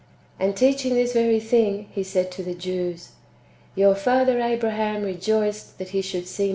3. And teaching this very thing, He said to the Jews :" Your father Abraham rejoiced that he should see my day ; 1 Matt.